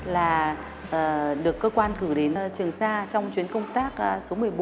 là được cơ quan cử đến trường sa trong chuyến công tác số một mươi bốn